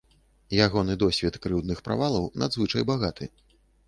Ягоны досвед крыўдных правалаў надзвычай багаты.